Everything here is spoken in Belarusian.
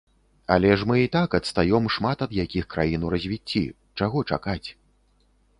Але ж мы і так адстаём шмат ад якіх краін у развіцці, чаго чакаць?